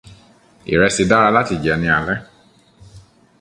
Ìrẹsì dára láti jẹ ní alẹ́.